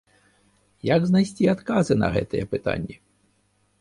Як знайсці адказы на гэтыя пытанні?